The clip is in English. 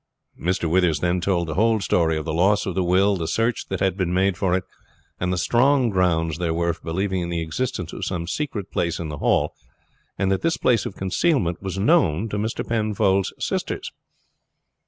Mr. Withers then told the whole story of the loss of the will, the search that had been made for it, and the strong grounds there were for believing in the existence of some secret place in the Hall, and that this place of concealment was known to Mr. Penfold's sisters.